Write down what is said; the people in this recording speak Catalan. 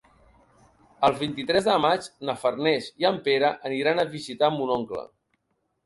El vint-i-tres de maig na Farners i en Pere aniran a visitar mon oncle.